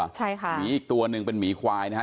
ใช่ค่ะหมีอีกตัวหนึ่งเป็นหมีควายนะฮะ